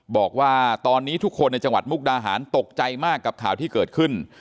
บอกว่าตอนนี้ทุกคนในจังหวัดมุกดาหารตกใจมากกับข่าวที่เกิดขึ้น